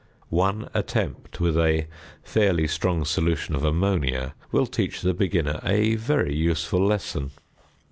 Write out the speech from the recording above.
One attempt with a fairly strong solution of ammonia will teach the beginner a very useful lesson.